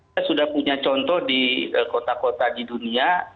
saya sudah punya contoh di kota kota di dunia